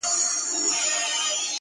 خلک بيا بحث شروع کوي ډېر